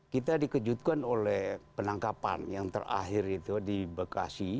kita dikejutkan oleh penangkapan yang terakhir itu di bekasi